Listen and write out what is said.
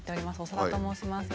長田と申します。